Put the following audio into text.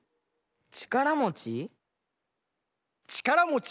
ちからもち？